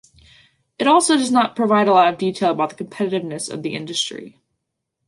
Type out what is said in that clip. It also does not provide a lot of detail about competitiveness of the industry.